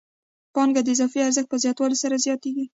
پانګه د اضافي ارزښت په زیاتوالي سره زیاتېږي